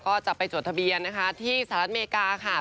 ก็จะไปจดทะเบียนนะคะที่สหรัฐอเมริกาค่ะ